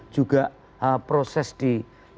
juga proses di